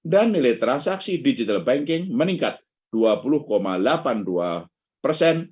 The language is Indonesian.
dan nilai transaksi digital banking meningkat dua puluh delapan puluh dua persen